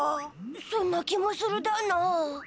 そんな気もするだな。